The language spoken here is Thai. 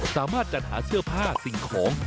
สามารถจัดหาเสื้อผ้าสิ่งของ